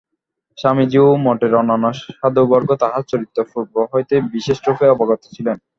স্বামীজী ও মঠের অন্যান্য সাধুবর্গ তাহার চরিত্র পূর্ব হইতেই বিশেষরূপে অবগত ছিলেন।